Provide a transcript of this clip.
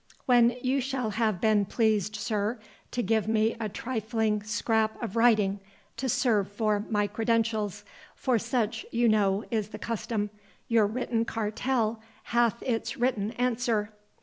"When you shall have been pleased, sir, to give me a trifling scrap of writing, to serve for my credentials—for such, you know, is the custom—your written cartel hath its written answer."